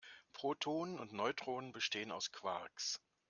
Protonen und Neutronen bestehen aus Quarks.